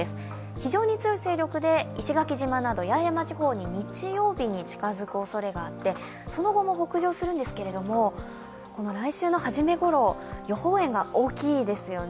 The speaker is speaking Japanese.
非常に強い勢力で、石垣島などに日曜日に近づくおそれがあってその後も北上するんですけど、来週の初めごろ、予報円が大きいですよね。